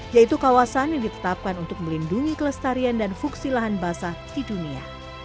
yaitu kawasan yang ditetapkan untuk melindungi kelestarian dan fungsi lahan basah di dunia